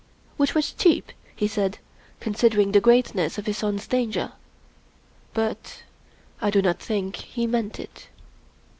Which was cheap, he said, consider ing the greatness of his son's danger; but I do not think he meant it.